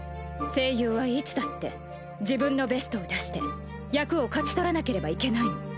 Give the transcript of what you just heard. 声優はいつだって自分のベストを出して役を勝ち取らなければいけないの。